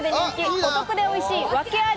お得でおいしい「訳アリ！